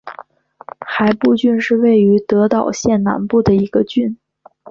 海部郡是位于德岛县南部的一郡。